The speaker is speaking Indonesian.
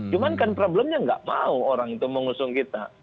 cuma kan problemnya nggak mau orang itu mau ngusung kita